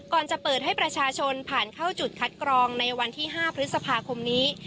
ก่อนจะเปิดให้ประชาชนผ่านเข้าจุดคัดกรองในวันที่๕พฤษภาคมนี้